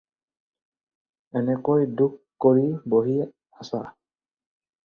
এনেকৈ দুখ কৰি বহি আছা।